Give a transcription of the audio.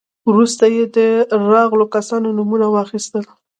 وروسته يې د راغلو کسانو نومونه واخيستل.